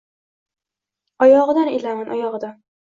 Oyogʻidan ilaman, oyogʻidan…